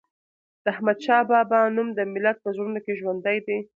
د احمد شاه بابا نوم د ملت په زړونو کې ژوندی دی.